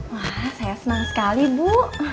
wah saya senang sekali bu